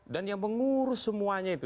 dan yang mengurus semuanya itu